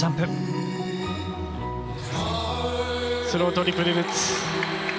スロートリプルルッツ。